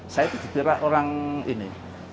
saya itu dikira orang ini